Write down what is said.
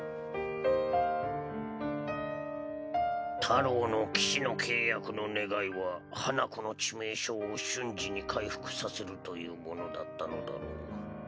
太朗の騎士の契約の願いは花子の致命傷を瞬時に回復させるというものだったのだろう。